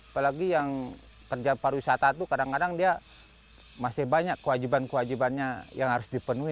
apalagi yang kerja pariwisata itu kadang kadang dia masih banyak kewajiban kewajibannya yang harus dipenuhi